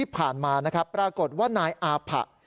ปรากฏว่านายอาผะ